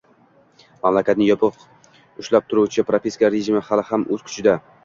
Mamlakatni yopiq ushlab turuvchi propiska rejimi hali ham o'z kuchida: